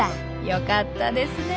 よかったですね。